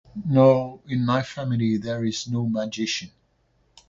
No, in my family there is no magician.